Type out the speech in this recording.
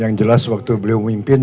yang jelas waktu beliau memimpin